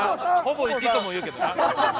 ほぼ「１」とも言うけどな。